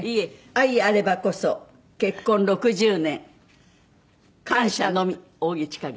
「愛あればこそ結婚６０年感謝のみ扇千景」